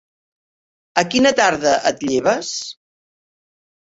A quina tarda et lleves?